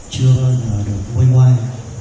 chưa bao giờ được quên ngoài